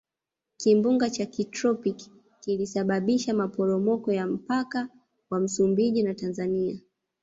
kimbunga cha kitropiki kilisababisha maporomoko ya mpaka wa msumbiji na tanzania